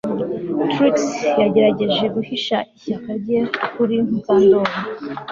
Trix yagerageje guhisha ishyaka rye kuri Mukandoli